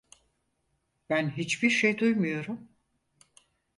Ben hiçbir şey duymuyorum.